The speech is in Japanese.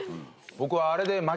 僕はあれで。